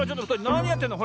なにやってんの？